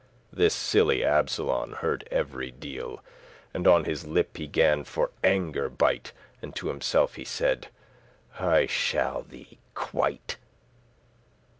This silly Absolon heard every deal*, *word And on his lip he gan for anger bite; And to himself he said, "I shall thee quite*.